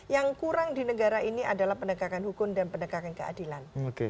yang kurang di negara ini adalah penegakan hukum dan penegakan keadilan